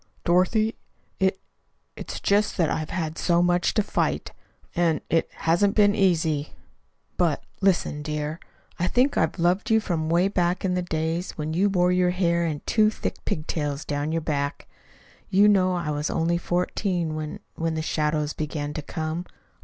"Dorothy, it it's just that I've had so much to fight. And it hasn't been easy. But, listen, dear. I think I've loved you from away back in the days when you wore your hair in two thick pigtails down your back. You know I was only fourteen when when the shadows began to come.